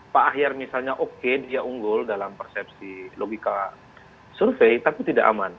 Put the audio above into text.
pak ahyar misalnya oke dia unggul dalam persepsi logika survei tapi tidak aman